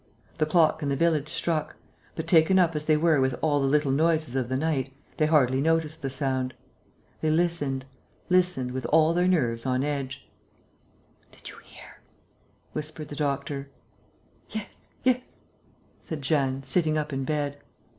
The clock in the village struck; but, taken up as they were with all the little noises of the night, they hardly noticed the sound. They listened, listened, with all their nerves on edge: "Did you hear?" whispered the doctor. "Yes ... yes," said Jeanne, sitting up in bed.